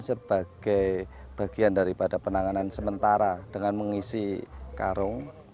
sebagai bagian daripada penanganan sementara dengan mengisi karung